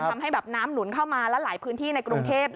ทำให้แบบน้ำหนุนเข้ามาและหลายพื้นที่ในกรุงเทพ